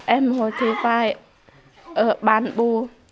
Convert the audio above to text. em hồi thủy vai ở ban bu